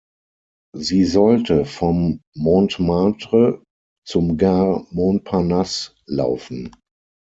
Sie sollte vom Montmartre zum Gare Montparnasse laufen.